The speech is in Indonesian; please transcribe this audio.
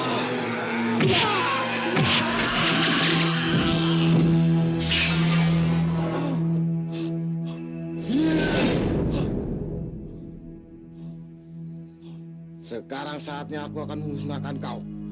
aku adalah utusan sadang sakti aku datang untuk memusnahkan kau